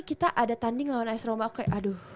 kita ada tanding lawan as roma aku kayak aduh